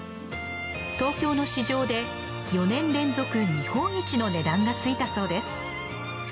東京の市場で４年連続日本一の値段がついたそうです。